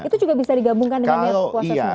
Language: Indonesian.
itu juga bisa digabungkan dengan niat puasa sendiri